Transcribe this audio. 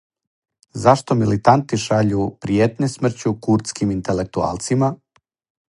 Зашто милитанти шаљу пријетње смрћу курдским интелектуалцима?